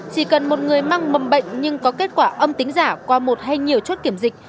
chỉ cần một người mang mầm bệnh nhưng có kết quả âm tính giả qua một hay nhiều chốt kiểm dịch